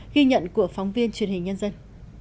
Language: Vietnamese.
ghi nhận của phóng viên truyền hình nhân dân